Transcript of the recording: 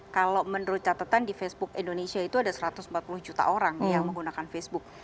kalau menurut catatan di facebook indonesia itu ada satu ratus empat puluh juta orang yang menggunakan facebook